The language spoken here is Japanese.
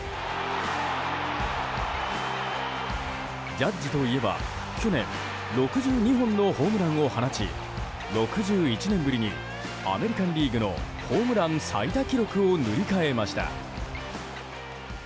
ジャッジといえば去年６２本のホームランを放ち６１年ぶりにアメリカン・リーグのホームラン最多記録を塗り替えました。